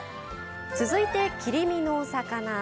続いて切り身のお魚。